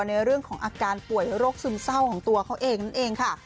ในเรื่องของอาการป่วยโรคซึมเศร้าของตัวเขาเองนั่นเองค่ะ